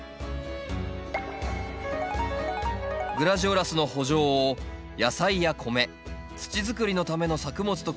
グラジオラスの圃場を野菜や米土づくりのための作物と組み合わせ